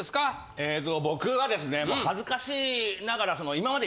えと僕はですね恥ずかしながら今まで。